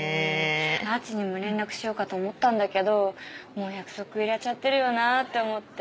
あーちんに連絡しようかと思ったんだけどもう約束入れちゃってるよなって思って。